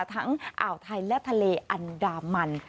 อ่าวไทยและทะเลอันดามัน